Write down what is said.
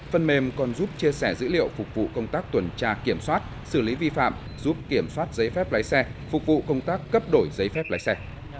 phần mềm còn giúp chia sẻ dữ liệu phục vụ công tác tuần tra kiểm soát xử lý vi phạm giúp kiểm soát giấy phép lái xe phục vụ công tác cấp đổi giấy phép lái xe